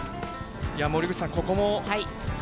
森口さん、ここも。